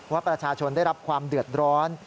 ว่าประชาชนได้รับความเดือดร้อน